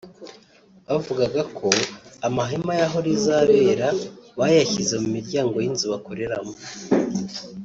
bavugaga ko amahema y’aho rizabera bayashyize mu miryango y’inzu bakoreramo